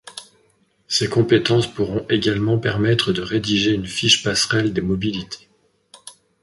Ces compétences pourront également permettre de rédiger une fiche passerelle des mobilités.